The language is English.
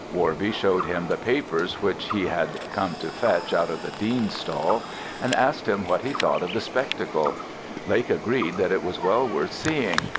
Worby showed him the papers which he had come to fetch out of the Dean's stall, and asked him what he thought of the spectacle: Lake agreed that it was well worth seeing.